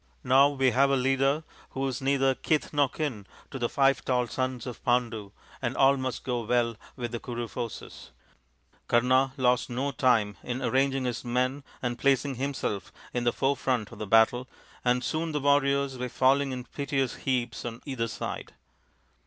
Now we have a leader who is neither kith nor kin to the five tall sons of Pandu, and all must go well with the Kuru forces. " Kama lost no time in arranging his men and THE FIVE TALL SONS OF PANDU in placing himself in the forefront of the battle, and soon the warriors were falling in piteous heaps on either side.